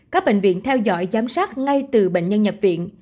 các bệnh viện theo dõi giám sát ngay từ bệnh nhân nhập viện